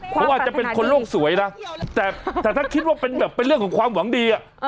เขาอาจจะเป็นคนโลกสวยนะแต่ถ้าคิดว่าเป็นแบบเป็นเรื่องของความหวังดี